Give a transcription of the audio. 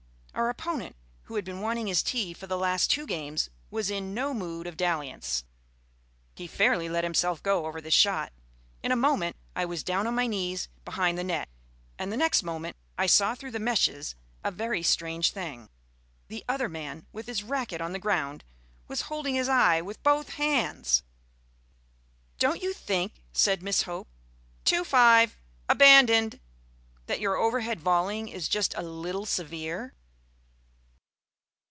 Our opponent, who had been wanting his tea for the last two games, was in no mood of dalliance; he fairly let himself go over this shot. In a moment I was down on my knees behind the net ... and the next moment I saw through the meshes a very strange thing. The other man, with his racquet on the ground, was holding his eye with both hands! "Don't you think," said Miss Hope (two, five abandoned) "that your overhead volleying is just a little severe?"